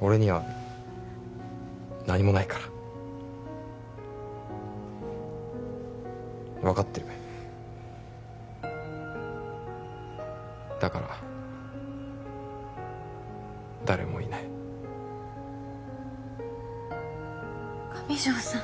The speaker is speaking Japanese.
俺には何もないから分かってるだから誰もいない上条さん